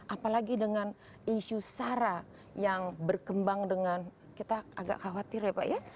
apalagi dengan isu sara yang berkembang dengan kita agak khawatir ya pak ya